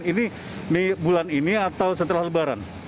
ini bulan ini atau setelah lebaran